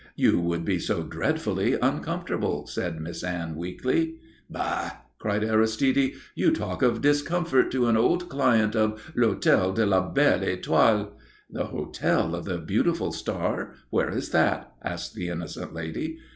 "You would be so dreadfully uncomfortable," said Miss Anne, weakly. "Bah!" cried Aristide. "You talk of discomfort to an old client of L'Hôtel de la Belle Étoile?" "The Hotel of the Beautiful Star? Where is that?" asked the innocent lady.